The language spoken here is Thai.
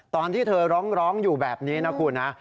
ตอนที่เธอร้องอยู่แบบนี้นะคุณนะ